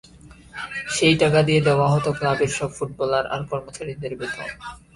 সেই টাকা দিয়ে দেওয়া হতো ক্লাবের সব ফুটবলার আর কর্মচারীদের বেতন।